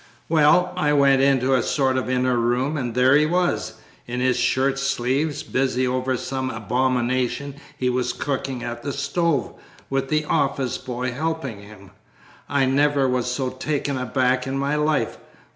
Well, I went into a sort of inner room, and there he was, in his shirt sleeves, busy over some abomination he was cooking at the stove, with the office boy helping him! I never was so taken aback in my life.